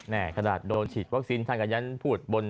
ขนาดโดนฉีดวัคซีนท่านก็ยันพูดบน